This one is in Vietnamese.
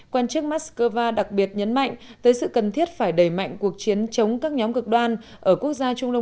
quan chức moscow đặc biệt nhấn mạnh tới sự cần thiết phải đẩy mạnh cuộc chiến chống các nhóm cực đoan ở quốc gia trung